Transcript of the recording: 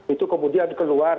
itu kemudian keluar